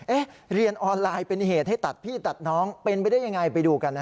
เรียนออนไลน์เป็นเหตุให้ตัดพี่ตัดน้องเป็นไปได้ยังไงไปดูกันนะฮะ